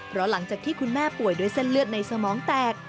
เพราะหลังจากที่คุณแม่ป่วยด้วยเส้นเลือดในสมองแตก